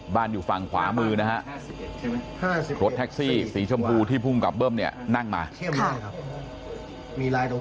อยู่ฝั่งขวามือนะฮะรถแท็กซี่สีชมพูที่ภูมิกับเบิ้มเนี่ยนั่งมาครับ